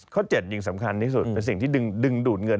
๗สิ่งสำคัญที่สุดเป็นสิ่งที่ดึงดูดเงิน